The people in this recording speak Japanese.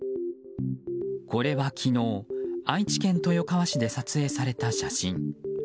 これは昨日愛知県豊川市で撮影された写真。